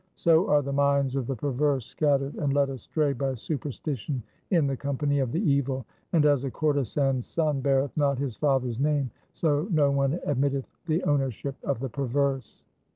So are the minds of the perverse scattered and led astray by superstition in the company of the evil. And as a courtesan's son beareth not his father's name, so no one admitteth the ownership of the perverse.